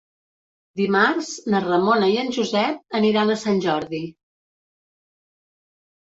Dimarts na Ramona i en Josep aniran a Sant Jordi.